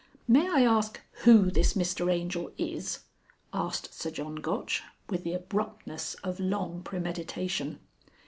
"May I ask who this Mr Angel is?" asked Sir John Gotch with the abruptness of long premeditation.